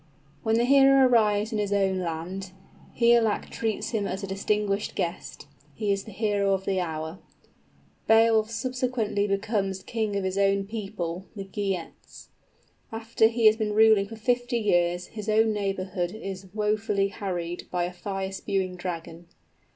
_ When the hero arrives in his own land, Higelac treats him as a distinguished guest. He is the hero of the hour. _Beowulf subsequently becomes king of his own people, the Geats. After he has been ruling for fifty years, his own neighborhood is wofully harried by a fire spewing dragon.